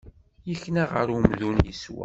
Yekna ɣer umdun yeswa.